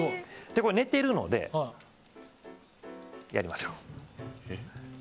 寝てるので、やりましょう。